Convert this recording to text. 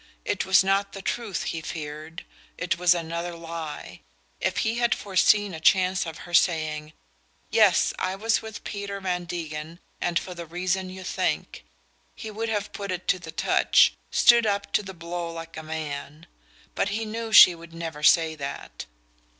It was not the truth he feared, it was another lie. If he had foreseen a chance of her saying: "Yes, I was with Peter Van Degen, and for the reason you think," he would have put it to the touch, stood up to the blow like a man; but he knew she would never say that.